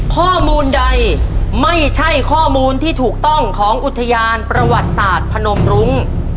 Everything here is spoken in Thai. ข้อมูลใดไม่ใช่ข้อมูลที่ถูกต้องของอุทยานประวัติศาสตร์พนมรุ้ง